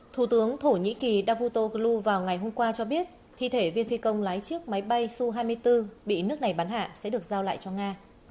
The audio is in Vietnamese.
thủ tướng thổ nhĩ kỳ davoto clu vào ngày hôm qua cho biết thi thể viên phi công lái chiếc máy bay su hai mươi bốn bị nước này bắn hạ sẽ được giao lại cho nga